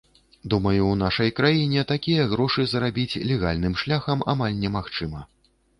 Думаю, у нашай краіне, такія грошы зарабіць легальным шляхам амаль немагчыма.